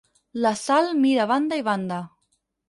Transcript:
La Sal mira a banda i banda.